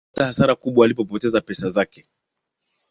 Alipata hasara kubwa alipopoteza pesa zake